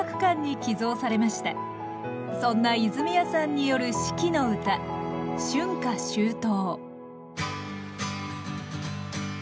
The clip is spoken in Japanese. そんな泉谷さんによる四季のうた「春夏秋冬」